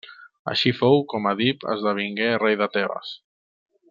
Així fou com Èdip esdevingué rei de Tebes.